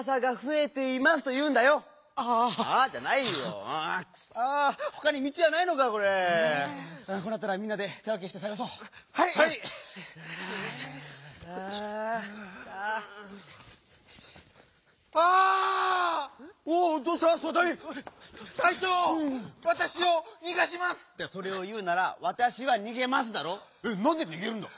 えっなんでにげるんだ？